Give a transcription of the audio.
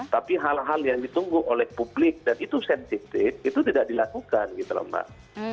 tapi hal hal yang ditunggu oleh publik dan itu sensitif itu tidak dilakukan gitu loh mbak